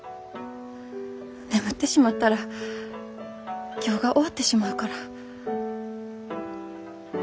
眠ってしまったら今日が終わってしまうから。